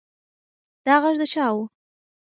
دا غږ د چا و؟